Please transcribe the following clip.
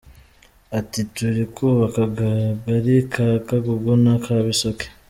Ati : «Turi kubaka akagali ka Kagugu n’aka Bisoke.